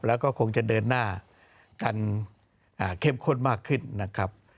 แล้วก็คงจะเดินหน้ากันเข้มข้นมากขึ้นนะครับ